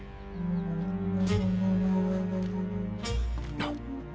あっ。